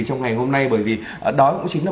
trong ngày hôm nay bởi vì đó cũng chính là